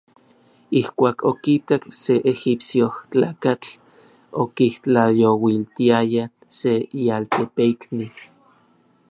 Ijkuak okitak se ejipsiojtlakatl okitlajyouiltiaya se ialtepeikni.